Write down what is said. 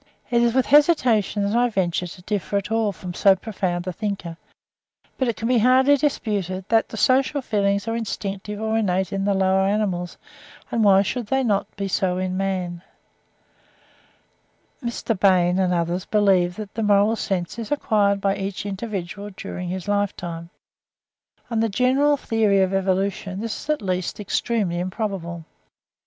It is with hesitation that I venture to differ at all from so profound a thinker, but it can hardly be disputed that the social feelings are instinctive or innate in the lower animals; and why should they not be so in man? Mr. Bain (see, for instance, 'The Emotions and the Will,' 1865, p. 481) and others believe that the moral sense is acquired by each individual during his lifetime. On the general theory of evolution this is at least extremely improbable.